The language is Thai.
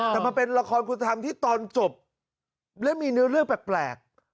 แต่มันเป็นละครคุณธรรมที่ตอนจบและมีเนื้อเรื่องแปลก